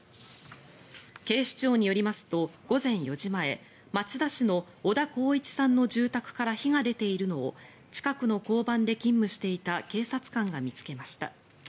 警視庁によりますと、午前４時前町田市の小田浩一さんの住宅から火が出ているのを近くの交番で勤務していた警察官が見つけました。